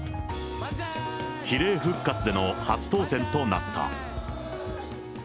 比例復活での初当選となった。